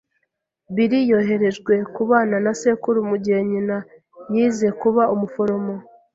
Bill yoherejwe kubana na sekuru mu gihe nyina yize kuba umuforomo.